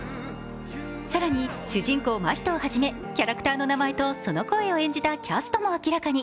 更に、主人公・眞人をはじめ、キャラクターの名前とその声を演じたキャストも明らかに。